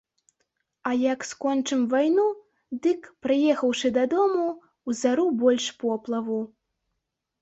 А як скончым вайну, дык, прыехаўшы дадому, узару больш поплаву.